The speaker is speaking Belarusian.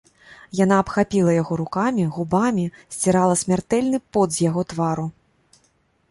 Яна абхапіла яго рукамі, губамі сцірала смяртэльны пот з яго твару.